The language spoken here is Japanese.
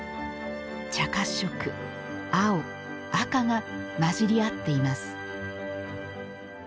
茶褐色、青、赤が混じり合っています。